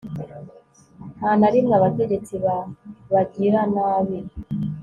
nta na rimwe abategetsi b'abagiranabi